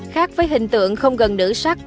khác với hình tượng không gần nữ sắc